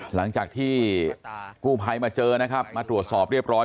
หลังจากที่กู้ภัยมาเจอนะครับมาตรวจสอบเรียบร้อย